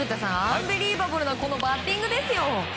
アンビリーバブルなこのバッティングですよ。